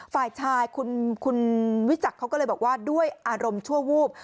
ฝ่ายชายคุณวิจักรเขาก็เลยบอกว่าด้วยอารมณ์ชั่ววูบ